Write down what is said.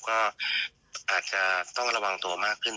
ก็อาจจะต้องระวังตัวมากขึ้น